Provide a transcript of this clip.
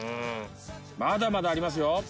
まだまだありますよ。